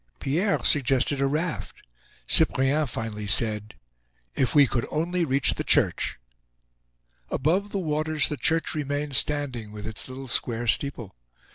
Pierre suggested a raft. Cyprien finally said: "If we could only reach the church!" Above the waters the church remained standing, with its little square steeple.